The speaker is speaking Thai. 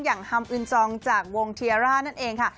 ฮัมอึนจองจากวงเทียร่านั่นเองค่ะ